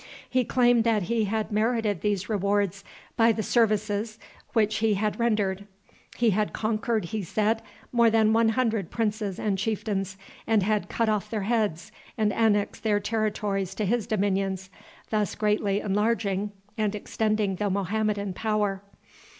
He claimed that he had merited these rewards by the services which he had rendered. He had conquered, he said, more than one hundred princes and chieftains, and had cut off their heads and annexed their territories to his dominions, thus greatly enlarging and extending the Mohammedan power.